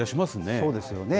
そうですよね。